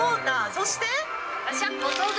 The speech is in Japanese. そして。